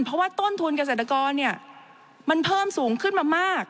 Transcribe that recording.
เพราะว่าต้นทุนเกษตรกรมันเพิ่มสูงขึ้นมามาก